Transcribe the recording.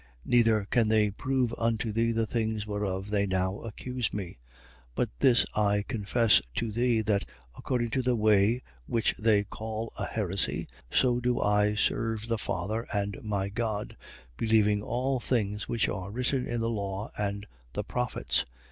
24:13. Neither can they prove unto thee the things whereof they now accuse me. 24:14. But this I confess to thee that according to the way which they call a heresy, so do I serve the Father and my God, believing all things which are written in the law and the prophets: 24:15.